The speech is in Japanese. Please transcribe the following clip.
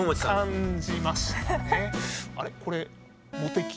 感じましたね。